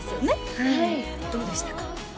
はいどうでしたか？